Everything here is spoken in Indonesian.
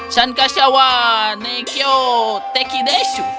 sankasawa nekyo teki desu